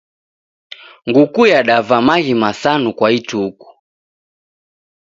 Nguku yadava maghi masanu kwa ituku.